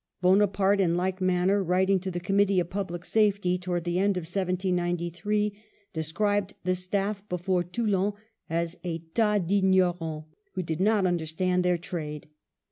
Bonaparte, in like manner, writing to the Committee of Public Safety towards the end of 1793, described the staff before Toulon as a " te dUgnorants " who did not understand their trade.